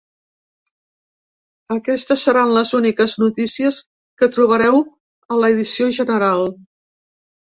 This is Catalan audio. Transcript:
Aquestes seran les úniques notícies que trobareu a l’edició general.